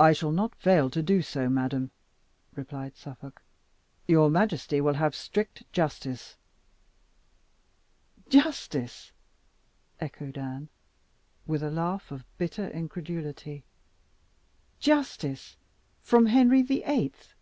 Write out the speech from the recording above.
"I shall not fail to do so, madam," replied Suffolk. "Your majesty will have strict justice." "Justice!" echoed Anne, with a laugh of bitter incredulity. "Justice from Henry the Eighth?"